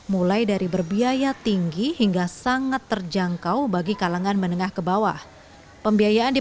mulai dari berbiaya tinggi hingga sangat terjangkau bagi kalangan menengah ke bawah pembiayaan di